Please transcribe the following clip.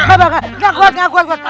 gak kuat gak kuat